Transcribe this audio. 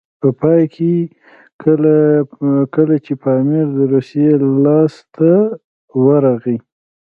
په پای کې کله چې پامیر د روسیې لاسته ورغی.